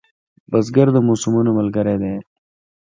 بزګر د موسمونو ملګری دی